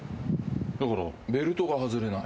だから「ベルトがはずれない」